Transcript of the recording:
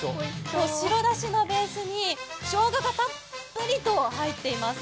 白だしのベースにしょうががたっぷりと入っています。